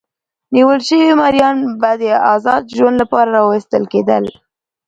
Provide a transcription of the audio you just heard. نیول شوي مریان به د ازاد ژوند لپاره راوستل کېدل.